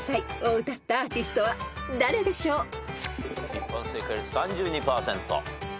一般正解率３２％。